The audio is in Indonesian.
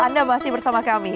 anda masih bersama kami